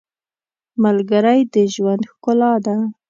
• ملګری د ژوند ښکلا ده.